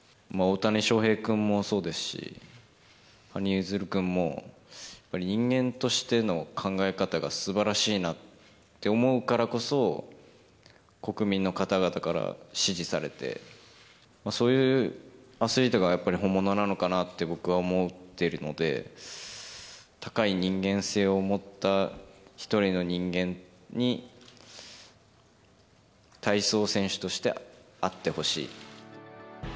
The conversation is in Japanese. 大谷翔平君もそうですし、羽生結弦君もやっぱり人間としての考え方がすばらしいなって思うからこそ、国民の方々から支持されて、そういうアスリートがやっぱり本物なのかなって僕は思ってるので、高い人間性を持った一人の人間に、体操選手としてあってほしい。